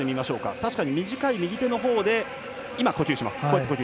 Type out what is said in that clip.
確かに短い手のほうで呼吸をします。